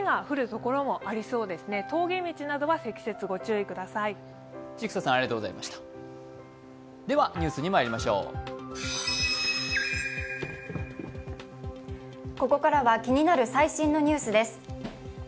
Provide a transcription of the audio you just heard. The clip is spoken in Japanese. ここからは気になる最新のニュースです。